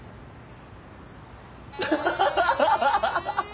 ハハハハハ！